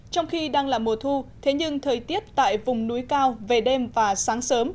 trong khi đang là mùa thu thế nhưng thời tiết tại vùng núi cao về đêm và sáng sớm